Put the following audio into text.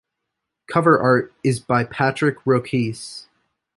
Cover art is by Patrick Roques.